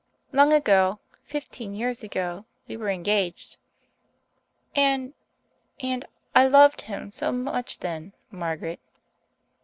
Long ago fifteen years ago we were engaged. And and I loved him so much then, Margaret."